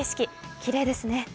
きれいですね。